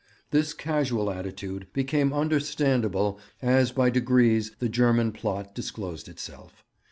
This casual attitude became understandable as by degrees the German plot disclosed itself.